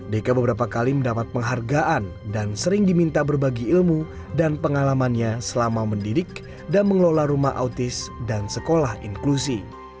deka beberapa kali mendapat penghargaan dan sering diminta berbagi ilmu dan pengalamannya selama mendidik dan mengelola rumah autis dan sekolah inklusi